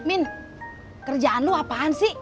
min kerjaan lo apaan sih